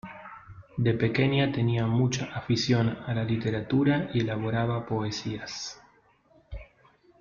De pequeña tenía mucha afición a la literatura y elaboraba poesías.